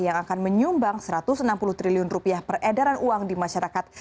yang akan menyumbang rp satu ratus enam puluh triliun rupiah peredaran uang di masyarakat